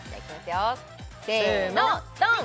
よせのドン！